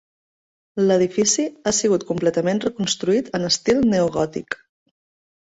L'edifici ha sigut completament reconstruït en estil neogòtic.